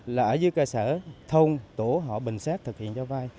là ở dưới ca sở thông tổ họ bình xác thực hiện cho vai